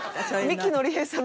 三木のり平さんの。